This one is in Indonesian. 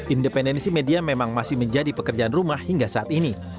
independensi media memang masih menjadi pekerjaan rumah hingga saat ini